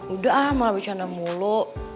udah ah mau lebih canda mulu